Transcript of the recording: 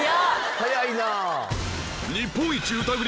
早いな！